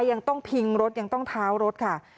ยังต้องพิงรถยังต้องเท้ารถค่ะ